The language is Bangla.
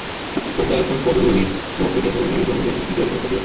তোমরা এখন পদদলিত, ভগ্নদেহ, মেরুদণ্ডহীন কীটের মত হইয়াছ।